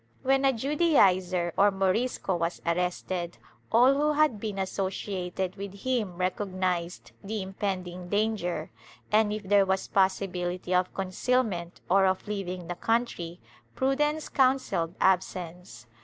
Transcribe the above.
When a Judaizer or Morisco was arrested, all who had been associated with him recognized the impending danger and, if there was possibility of concealment or of leaving the country, prudence counselled absence.